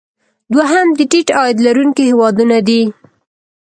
دوهم د ټیټ عاید لرونکي هیوادونه دي.